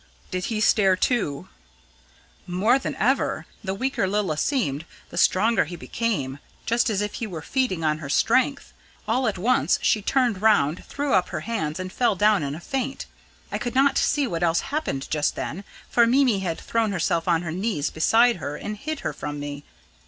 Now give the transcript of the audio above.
"Did he stare too?" "More than ever. The weaker Lilla seemed, the stronger he became, just as if he were feeding on her strength. All at once she turned round, threw up her hands, and fell down in a faint. I could not see what else happened just then, for Mimi had thrown herself on her knees beside her and hid her from me.